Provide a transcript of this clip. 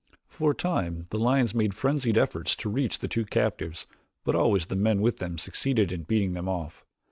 For a time the lions made frenzied efforts to reach the two captives but always the men with them succeeded in beating them off.